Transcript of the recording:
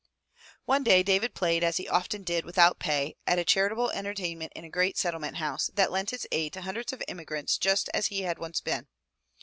One day David played, as he often did, without pay, at a char itable entertainment in a great Settlement house that lent its aid to hundreds of immigrants just such as he had once been.